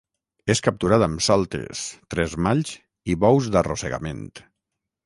És capturat amb soltes, tresmalls i bous d'arrossegament.